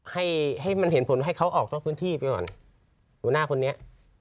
ให้ให้มันเห็นผลให้เขาออกนอกพื้นที่ไปก่อนหัวหน้าคนนี้